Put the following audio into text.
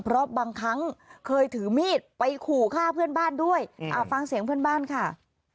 เพราะบางครั้งเคยถือมีดไปขู่ฆ่าเพื่อนบ้านด้วยฟังเสียงเพื่อนบ้านค่ะ